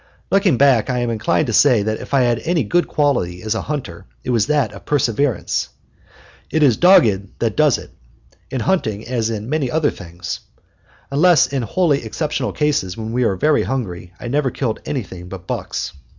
Looking back, I am inclined to say that if I had any good quality as a hunter it was that of perseverance. "It is dogged that does it" in hunting as in many other things. Unless in wholly exceptional cases, when we were very hungry, I never killed anything but bucks.